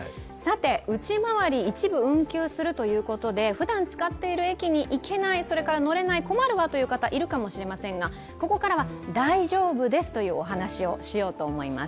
内回り、一部運休するということでふだん使っている駅に行けない、乗れない、困る方がいるかもしれませんが、ここからは大丈夫ですというお話をしようと思います。